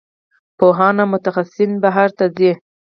پوهان او متخصصین بهر ته ځي.